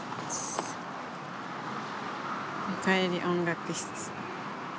「おかえり音楽室」。